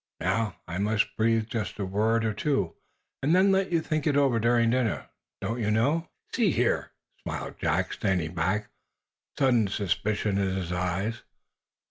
Now, I must breathe just a word or two, and then let you think it over during dinner, don't you know?" "See here," smiled Jack, standing back, sudden suspicion in his eyes.